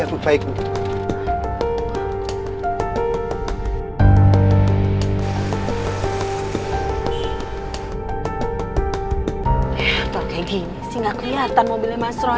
eh kalau kayak gini sih gak keliatan mobilnya mas roy